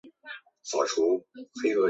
安远寨也被西夏攻陷。